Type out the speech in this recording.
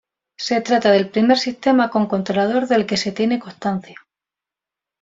Se trata del primer sistema con controlador del que se tiene constancia.